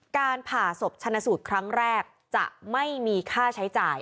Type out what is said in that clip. การผ่าศพชนะสูตรครั้งแรกจะไม่มีค่าใช้จ่าย